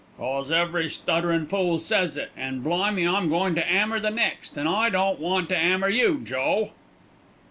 "'Cos every stutterin' fool sez it; an' blimey I'm goin' to 'ammer the next, an' I don't want to 'ammer you, Joe."